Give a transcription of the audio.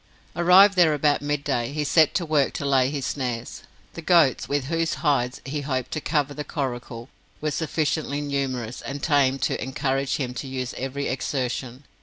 Arrived there about midday, he set to work to lay his snares. The goats, with whose hides he hoped to cover the coracle, were sufficiently numerous and tame to encourage him to use every exertion.